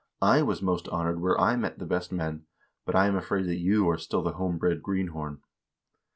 I was most honored where I met the best men, but I am afraid that you are still the home bred greenhorn.'